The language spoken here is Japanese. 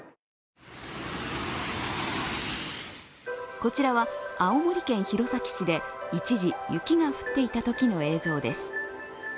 こちらは青森県弘前市で一時、雪が降っていたときの映像です。